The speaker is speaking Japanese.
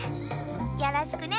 よろしくね。